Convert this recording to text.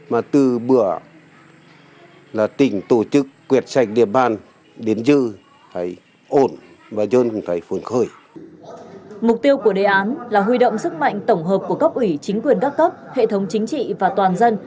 mục tiêu của đề án là huy động sức mạnh tổng hợp của cấp ủy chính quyền các cấp hệ thống chính trị và toàn dân